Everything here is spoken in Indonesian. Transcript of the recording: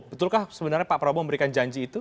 betulkah sebenarnya pak prabowo memberikan janji itu